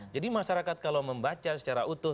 jadi masyarakat kalau membaca secara utuh